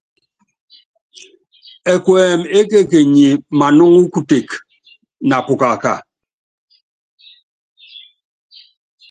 Ɛkuɛmɛ ékekenyi manúŋɔ kutéke na pukaka.